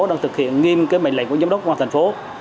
đang thực hiện nghiêm mệnh lệnh của giám đốc an ninh trật tự